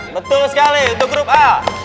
betul sekali untuk grup a